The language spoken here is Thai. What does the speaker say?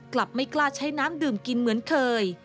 ไม่กล้าใช้น้ำดื่มกินเหมือนเคย